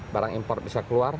barang import bisa keluar